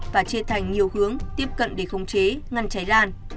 và chia thành nhiều hướng tiếp cận để khống chế ngăn cháy lan